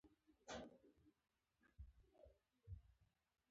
د پوځیانو روایتونه